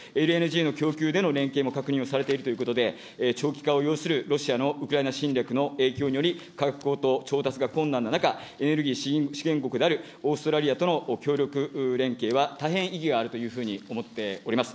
ＬＮＧの供給での連携も確認をされているということで、長期化を要するロシアのウクライナ侵略の影響により、価格高騰、調達が困難な中、エネルギー資源国であるオーストラリアとの協力連携は、大変意義があるというふうに思っております。